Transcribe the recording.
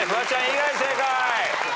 以外正解。